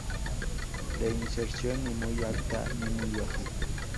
De inserción ni muy alta ni muy baja.